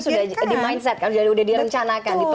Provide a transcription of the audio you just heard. itu sudah di mindset kan sudah direncanakan di planning kan